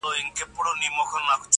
دا اغزن تار د امريکا په فرمایش لګول شوی